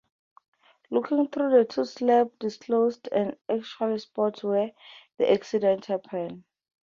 Looking through the two slabs discloses the actual spot where the accident happened.